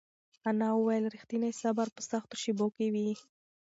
انا وویل چې رښتینی صبر په سختو شېبو کې وي.